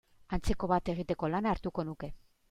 Antzeko bat egiteko lana hartuko nuke.